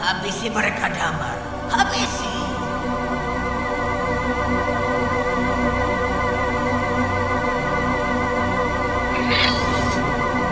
habisi mereka damai habisi